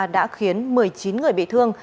đã khiến một mươi chín người bị thương